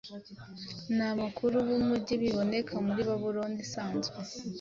nabakuru bumujyibiboneka muri Babuloni isanzwe